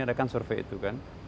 ada kan survei itu kan